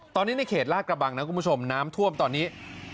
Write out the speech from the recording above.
ตอนนี้ในเขตลาดกระบังน้ำท่วมตอนนี้